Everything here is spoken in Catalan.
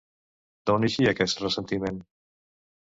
D'on eixia aquest ressentiment?